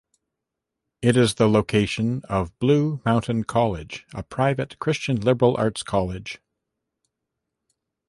It is the location of Blue Mountain College, a private Christian liberal arts college.